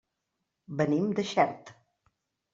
Venim de Xert.